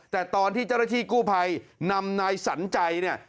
แต่ตอนที่เจ้าหน้าที่กู้ภัยนำนายสันใจเนี่ย